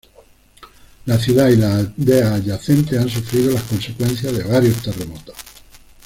La ciudad y las aldeas adyacentes han sufrido las consecuencias de varios terremotos.